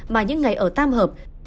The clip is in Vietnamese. mà những ngày ở tam hợp